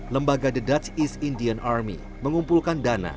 lembaga the dutch is indian army mengumpulkan dana